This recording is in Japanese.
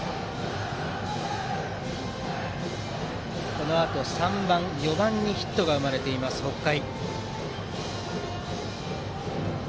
このあと３番、４番にヒットが生まれている北海。